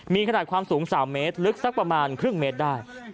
มีขนาดความสูง๓เมตรลึกสักประมาณครึ่งเมตรได้